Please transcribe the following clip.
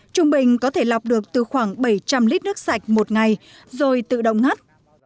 trung bình có thể lọc được từ khoảng bảy trăm linh lít nước sạch một ngày rồi tự động ngắt